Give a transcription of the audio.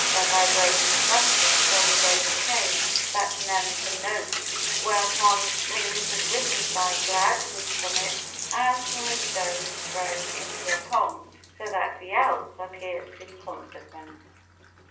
The vibrating substance undergoes a change that none can note, whereupon rings of rhythm circle outwards from it as from a stone thrown into a pond, so that the Alps are pierced in consequence.